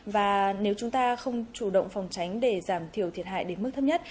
và nếu chúng ta không chủ động phòng tránh để giảm thiểu thiệt hại đến mức thấp nhất